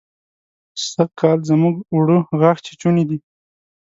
سرکال زموږ اوړه غاښ چيچوني دي.